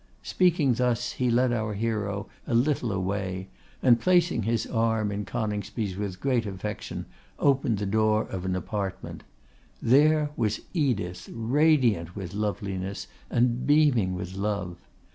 Speaking thus, he led our hero a little away, and placing his arm in Coningsby's with great affection opened the door of an apartment. There was Edith, radiant with loveliness and beaming with love.